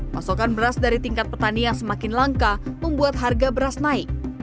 pasokan beras dari tingkat petani yang semakin langka membuat harga beras naik